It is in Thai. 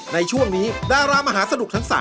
ในช่วงนี้ดารามหาสนุกทั้ง๓